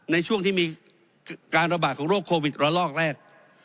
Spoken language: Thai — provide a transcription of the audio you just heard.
ในช่วงที่มีการระบาดของโรคโควิดระลอกแรก